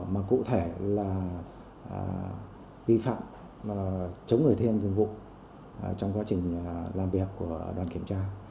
mà cụ thể là vi phạm chống người thiên dùng vụ trong quá trình làm việc của đoàn kiểm tra